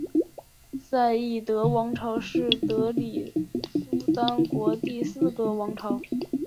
赛义德王朝是德里苏丹国第四个王朝。